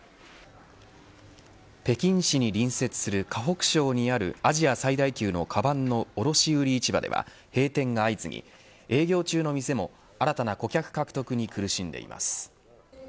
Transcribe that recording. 北京市に隣接する河北省にあるアジア最大級のかばんの卸売市場では閉店が相次ぎ、営業中の店も新たな顧客獲得に苦しんでいます。